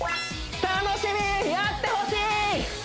楽しみやってほしい！